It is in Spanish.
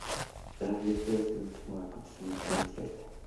La fecha de este último acontecimiento es incierta.